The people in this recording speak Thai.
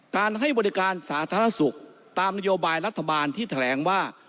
การให้บริการสาธารณสุขตามนโยบายรัฐบาลที่แถลงว่า